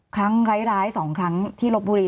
ครั้งร้าย๒ครั้งที่ลบบุรี